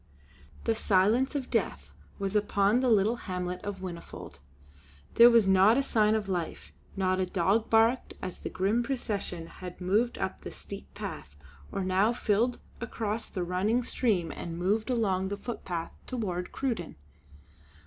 The silence of death was upon the little hamlet of Whinnyfold. There was not a sign of life; not a dog barked as the grim procession had moved up the steep path or now filed across the running stream and moved along the footpath toward Cruden.